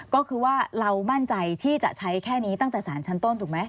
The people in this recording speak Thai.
ก็คือว่าเรามั่นใจที่จะใช้แค่นี้ตั้งแต่สารชั้นต้นถูกไหม